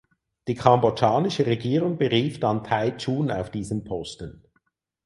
Die kambodschanische Regierung berief dann Thai Chun auf diesen Posten.